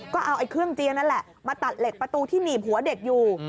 ก็เอาเครื่องเจียนนั่นแหละมาตัดเหล็กประตูที่หนีบหัวเด็กอยู่